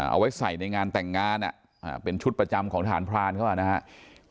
เอาไว้ใส่ในงานแต่งงานเป็นชุดประจำของทหารพรานเขานะครับ